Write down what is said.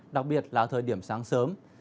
đặc biệt là thời điểm sáng sớm